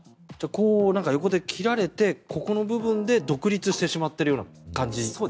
横で切られてここの部分で独立してしまっているような感じですか？